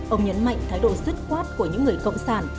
ông nhấn mạnh thái độ dứt quát của những người cộng sản